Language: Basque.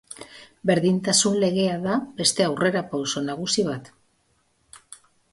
Berdintasun legea da beste aurrera pauso nagusi bat.